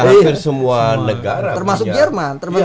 hampir semua negara termasuk jerman